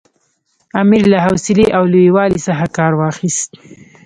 امیر له حوصلې او لوی والي څخه کار واخیست.